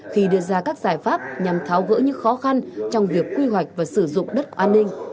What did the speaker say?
khi đưa ra các giải pháp nhằm tháo gỡ những khó khăn trong việc quy hoạch và sử dụng đất an ninh